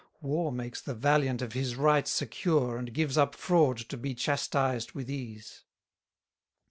War makes the valiant of his right secure, And gives up fraud to be chastised with ease.